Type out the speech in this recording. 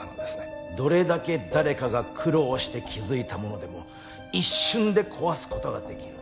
どれだけ誰かが苦労をして築いたものでも一瞬で壊す事ができる。